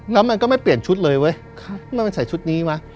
แล้วมันก็ไม่เปลี่ยนชุดเลยเว้ยมันใส่ชุดนี้วะ